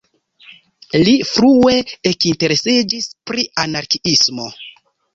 Li frue ekinteresiĝis pri anarkiismo.